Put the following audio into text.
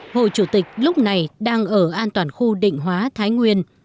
hồ chủ tịch lúc này đang ở an toàn khu định hóa thái nguyên